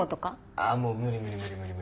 ああもう無理無理無理無理。